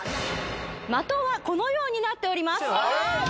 的はこのようになっております